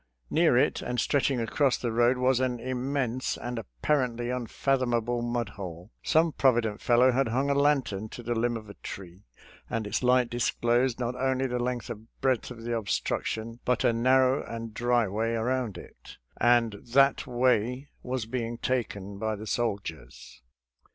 Near it and stretching across the road was an immense and apparently unfathomable mudhole. Some provident fellow had hung a lantern to the limb of a tree, and its light disclosed not only the length and breadth of the obstruction but a narrow and dry way around it, and that way AROUND YORKTOWN 41 was being taken by the soldiers.